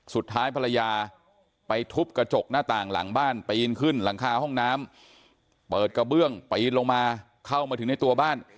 สุดท้ายภรรยาไปทุบกระจกหน้าต่างหลังบ้านปีนขึ้นหลังคาห้องน้ำเปิดกระเบื้องปีนลงมาเข้ามาถึงในตัวบ้าน